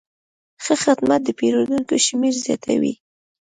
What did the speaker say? ښه خدمت د پیرودونکو شمېر زیاتوي.